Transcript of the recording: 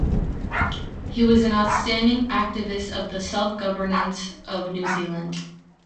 He was an outstanding activist of the self-governance of New Zeeland.